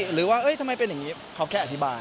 หรือว่าทำไมเป็นอย่างนี้เขาแค่อธิบาย